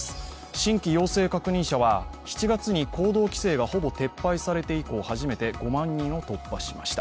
新規陽性確認者は７月に行動規制がほぼ撤廃されて以降初めて５万人を突破しました。